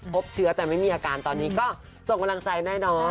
พบเชื้อแต่ไม่มีอาการตอนนี้ก็ส่งกำลังใจแน่นอน